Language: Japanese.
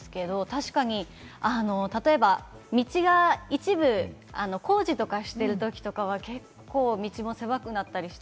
確かに例えば道が一部、工事とかしてる時とかは、結構、道も狭くなったりして。